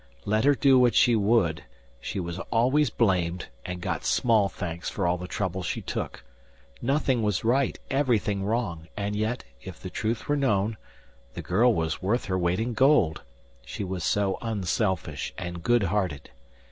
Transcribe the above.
Let her do what she would, she was always blamed, and got small thanks for all the trouble she took; nothing was right, everything wrong; and yet, if the truth were known, the girl was worth her weight in gold she was so unselfish and good hearted.